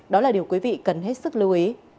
đó là điều quý vị cần hết sức lưu ý